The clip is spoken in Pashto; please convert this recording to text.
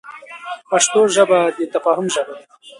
پښتو ژبه د تفاهم ژبه ده.